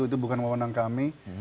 itu bukan kewenangan kami